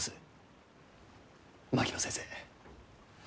槙野先生